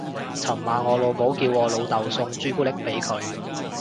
尋晚我老母叫我老竇送朱古力俾佢